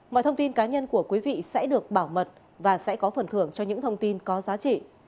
mọi thông tin cá nhân của quý vị sẽ được bảo mật và sẽ có phần thưởng cho những thông tin có giá trị